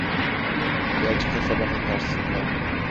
Gerçi kasabanın karşısında...